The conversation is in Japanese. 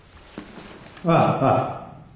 ああ。